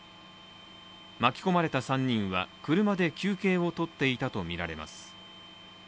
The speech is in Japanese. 巻き込まれた３人は車で休憩を取っていたとみられます。